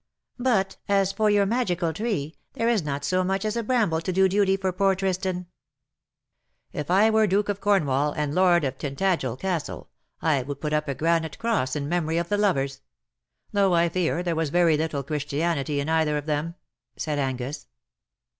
" But as for your magical tree, there is not so much as a bramble to do duty for poor Tristan. ^^" If I were Duke of Cornwall and Lord of Tin tagel Castle, I would 23ut up a granite cross in memory '^TINTAGEL, HALF IN SEA^ AND HALF ON LAND." 89 of the lovers ; though I fear there was very little Christianity in either of them/^ said Anous.